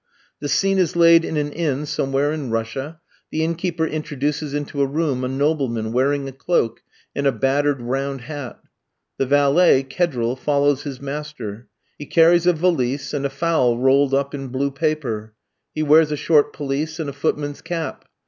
The scene is laid in an inn somewhere in Russia. The innkeeper introduces into a room a nobleman wearing a cloak and a battered round hat; the valet, Kedril, follows his master; he carries a valise, and a fowl rolled up in blue paper; he wears a short pelisse and a footman's cap.